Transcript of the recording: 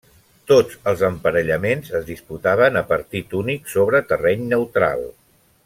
Tots els emparellaments es disputaven a partit únic sobre terreny neutral.